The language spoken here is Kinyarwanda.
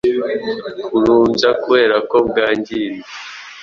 Kurumbya kubera ko bwangiritse